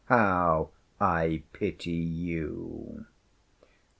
How I pity you!